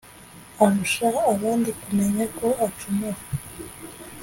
arusha abandi kumenya ko acumura.